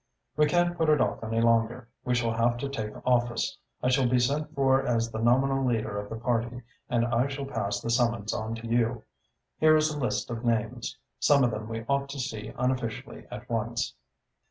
"We can't put it off any longer. We shall have to take office. I shall be sent for as the nominal leader of the party and I shall pass the summons on to you. Here is a list of names. Some of them we ought to see unofficially at once."